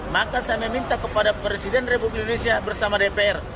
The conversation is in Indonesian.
maka saya meminta kepada presiden republik indonesia bersama dpr